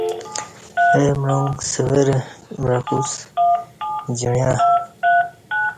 اہ معانگہ سورہ وعکوسہ جعیاں